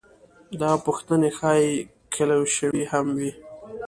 دا پوښتنې ښايي کلیشوي هم وي.